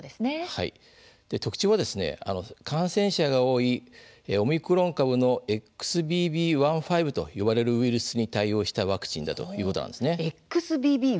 特徴は感染者が多いオミクロン株のＸＢＢ．１．５と呼ばれるウイルスに対応したワクチンだということなんです。